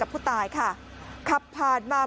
กลุ่มตัวเชียงใหม่